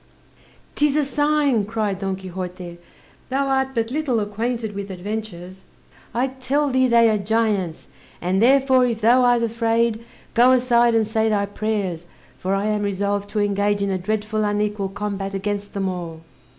"'Tis a sign," cried Don Quixote, "thou art but little acquainted with adventures! I tell thee, they are giants; and therefore if thou art afraid, go aside and say thy prayers, for I am resolved to engage in a dreadful unequal combat against them all."